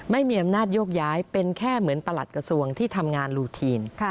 ไม่มีอำนาจโยกย้ายเป็นแค่เหมือนประหลัดกระทรวงที่ทำงานลูทีน